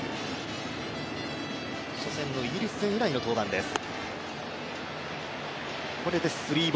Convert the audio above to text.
初戦のイギリス戦以来の登板です。